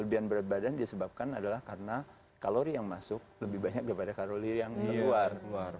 kemudian berat badan disebabkan adalah karena kalori yang masuk lebih banyak daripada kalori yang keluar